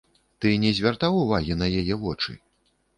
Ты не звяртаў увагі на яе вочы?